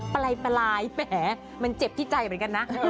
ปลายแหมมันเจ็บที่ใจเหมือนกันนะ